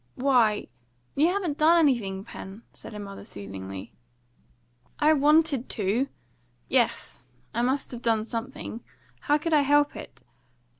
"Why, you haven't done anything, Pen," said her mother soothingly. "I wanted to! Yes, I must have done something. How could I help it?